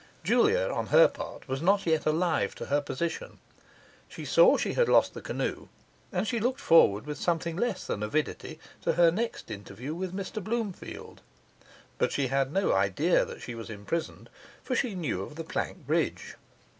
Julia, on her part, was not yet alive to her position. She saw she had lost the canoe, and she looked forward with something less than avidity to her next interview with Mr Bloomfield; but she had no idea that she was imprisoned, for she knew of the plank bridge.